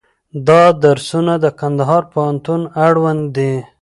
دا درسونه د کندهار پوهنتون اړوند دي.